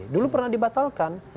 dulu pernah dibatalkan